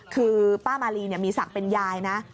คือป้ามาลีมีศักดิ์เป็นยายนะ